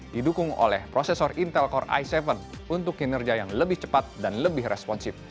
didukung oleh prosesor intel core i tujuh untuk kinerja yang lebih cepat dan lebih responsif